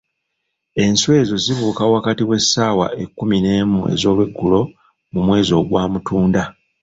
Enswa ezo zibuuka wakati w'essaawa ekkumi n'emu ez'olweggulo mu mwezi ogwa Mutunda.